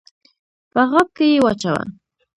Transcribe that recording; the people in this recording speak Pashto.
په غاب کي یې واچوه !